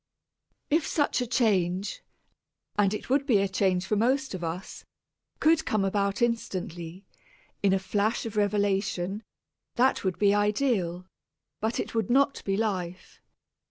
If such a change, and it would be a change for most of us, could come about instantly, in a flash of revelation, that would be ideal, but it would not be life.